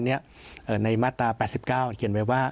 ในมาตรา๘๙เขียนไว้ว่า